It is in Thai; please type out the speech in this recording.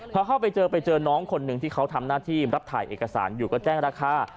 พอเข้าไปเจอไปเจอน้องคนหนึ่งที่เขาทำหน้าที่รับถ่ายเอกสารอยู่ก็แจ้งราคา